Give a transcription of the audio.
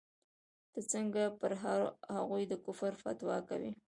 ته څنگه پر هغوى د کفر فتوا کوې.